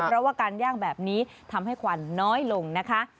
เพราะว่าการย่างแบบนี้ทำให้ควันน้อยลงนะคะ